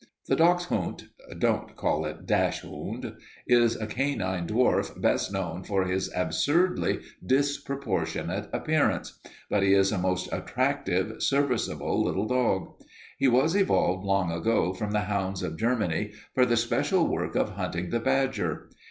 "The dachshund (don't call it dash hund) is a canine dwarf best known for his absurdly disproportionate appearance, but he is a most attractive, serviceable little dog. He was evolved long ago from the hounds of Germany for the special work of hunting the badger.